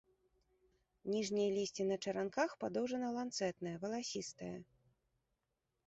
Ніжняе лісце на чаранках, падоўжана-ланцэтнае, валасістае.